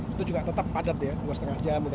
itu juga tetap padat ya dua lima jam